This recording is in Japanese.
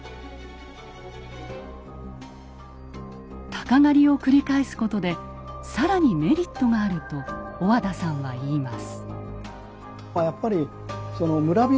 鷹狩を繰り返すことで更にメリットがあると小和田さんは言います。